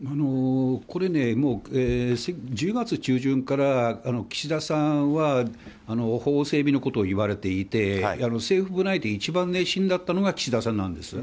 これね、１０月中旬から岸田さんは、法整備のことを言われていて、政府部内で一番熱心だったのが岸田さんだったんです。